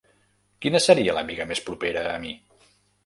Quina seria l'amiga més propera a mi?